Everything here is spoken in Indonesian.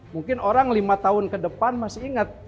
mungkin orang lima tahun ke depan masih ingat